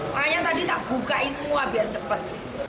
makanya tadi tak bukain semua biar cepat